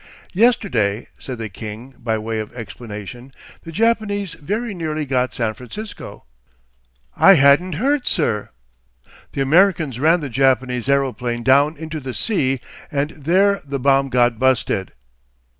'Yesterday,' said the king, by way of explanation, 'the Japanese very nearly got San Francisco.' 'I hadn't heard, sir.' 'The Americans ran the Japanese aeroplane down into the sea and there the bomb got busted.